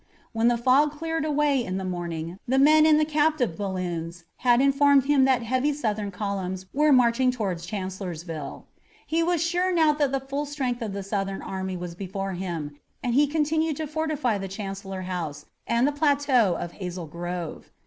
When the fog cleared away in the morning the men in the captive balloons had informed him that heavy Southern columns were marching toward Chancellorsville. He was sure now that the full strength of the Southern army was before him, and he continued to fortify the Chancellor House and the plateau of Hazel Grove.